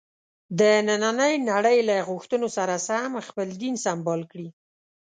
د نننۍ نړۍ له غوښتنو سره سم خپل دین سمبال کړي.